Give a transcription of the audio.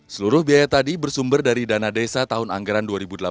seluruh biaya tadi bersumber dari dana desa tahun anggaran dua ribu delapan belas